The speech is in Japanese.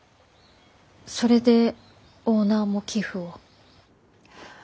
それでオーナーも寄付を。